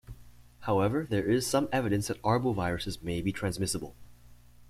However, there is some evidence that arboviruses may be transmissible.